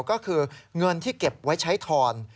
ก็คือเงินที่เก็บไว้ใช้ทอน